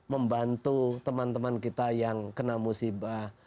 membantu teman teman kita yang kena musibah